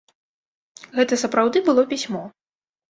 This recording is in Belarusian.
Гэта сапраўды было пісьмо.